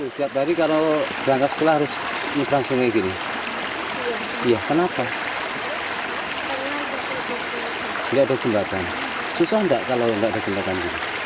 susah enggak kalau enggak ada jembatan